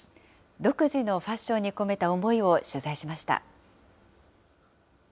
独自のファッションに込めた思いを取材しました。